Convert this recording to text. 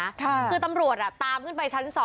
คือตำรวจตามขึ้นไปชั้น๒